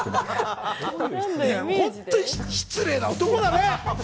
本当に失礼な男だね！